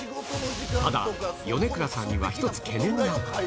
ただ、米倉さんには一つ懸念